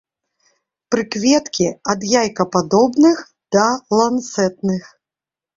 Прыкветкі ад яйкападобных да ланцэтных.